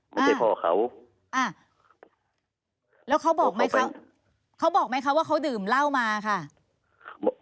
เขาบอกไหมครับว่าเขาดื่มเหล้ามาค่ะ